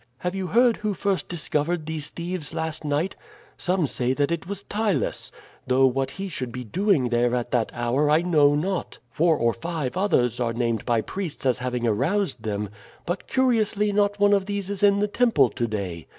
Have you heard who first discovered these thieves last night? Some say that it was Ptylus, though what he should be doing there at that hour I know not. Four or five others are named by priests as having aroused them; but curiously not one of these is in the temple to day.